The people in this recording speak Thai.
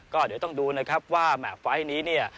ก็เดี๋ยวต้องดูนะครับว่าแหม่ไฟล์นี้เนี่ย